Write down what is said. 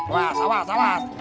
wah sawas sawas